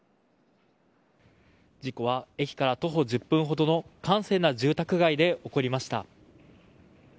事故は駅から徒歩１０分ほどの閑静な住宅街で起こりました。